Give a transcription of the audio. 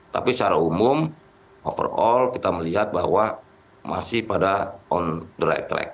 tapi secara umum overall kita melihat bahwa masih pada on the right track